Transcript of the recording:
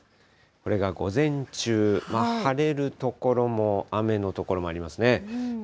これが午前中、晴れる所も、雨の所もありますね。